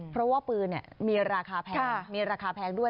เพราะว่าปืนมีราคาแพงมีราคาแพงด้วย